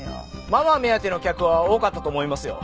ママ目当ての客は多かったと思いますよ。